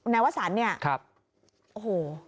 ในวัฒนศาสตร์นี่โอ้โห